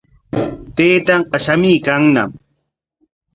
Taytanqa shamuykanñam.